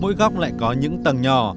mỗi góc lại có những tầng nhỏ